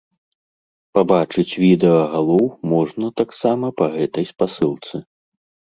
Пабачыць відэа галоў можна таксама па гэтай спасылцы.